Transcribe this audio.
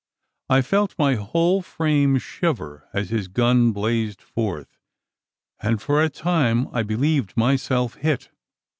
I felt my whole frame shiver as his gun blazed forth; and for a time I believed myself hit.